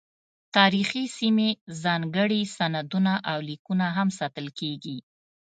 تاریخي سیمې، ځانګړي سندونه او لیکونه هم ساتل کیږي.